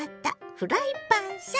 フライパンさん。